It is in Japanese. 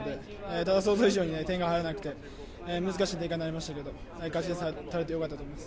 ただ、想像以上に点が入らなくて難しい展開になりましたけど勝ち点３取れて良かったと思います。